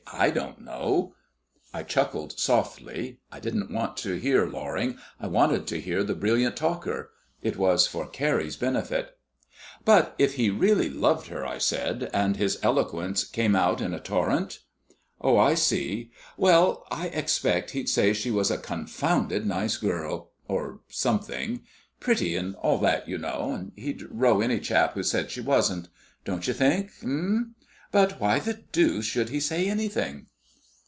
I don't know." I chuckled softly. I didn't want to hear Loring; I wanted to hear the brilliant talker. It was for Carrie's benefit. "But if he really loved her," I said, "and his eloquence came out in a torrent?" "Oh, I see. Well, I expect he'd say she was a confounded nice girl or something pretty and all that, you know and he'd row any chap who said she wasn't; don't you think, eh? But why the deuce should he say anything?"